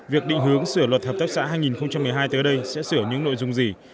việc định hướng sửa luật hợp tác xã hai nghìn một mươi hai tới đây sẽ sửa những nội dung gì